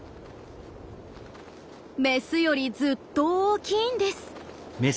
メスよりずっと大きいんです。